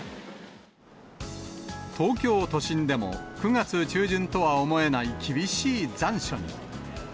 東京都心でも、９月中旬とは思えない厳しい残暑に。